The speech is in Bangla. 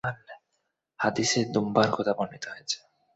হাদীসে দুম্বার কথা বর্ণিত হয়েছে।